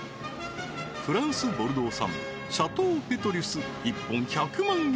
フランスボルドー産シャトー・ペトリュス１本１００万円